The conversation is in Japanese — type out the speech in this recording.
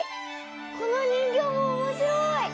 この人形も面白い！